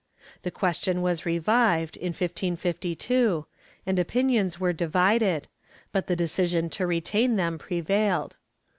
The question was revived, in 1552, and opinions were divided, but the decision to retain them prevailed.